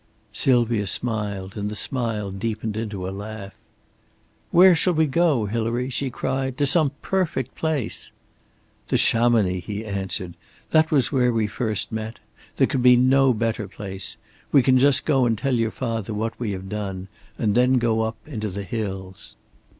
Sylvia smiled, and the smile deepened into a laugh. "Where shall we go, Hilary?" she cried. "To some perfect place." "To Chamonix," he answered. "That was where we first met. There could be no better place. We can just go and tell your father what we have done and then go up into the hills."